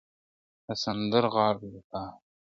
د سندرغاړو لپاره ,